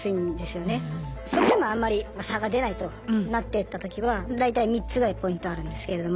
それでもあんまり差が出ないとなってったときは大体３つぐらいポイントあるんですけれども。